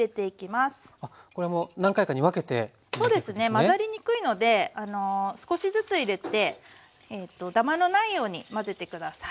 混ざりにくいので少しずつ入れてダマのないように混ぜて下さい。